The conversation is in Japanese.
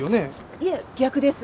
いえ逆です。